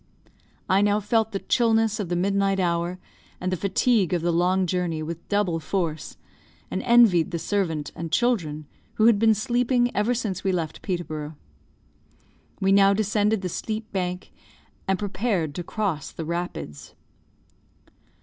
I now felt the chillness of the midnight hour, and the fatigue of the long journey, with double force, and envied the servant and children, who had been sleeping ever since we left Peterborough. We now descended the steep bank, and prepared to cross the rapids.